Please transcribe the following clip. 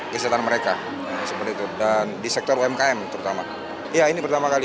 kesejahteraan mereka dan di sektor umkm terutama